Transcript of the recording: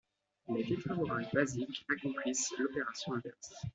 Les tétraborates basiques accomplissent l'opération inverse.